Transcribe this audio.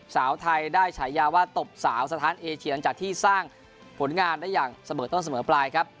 สาวไทยได้ฉายาว่าตบสาวสถานเอเชียนจากที่สร้างผลงานได้อย่างเสมอต้นเสมอปลายครับ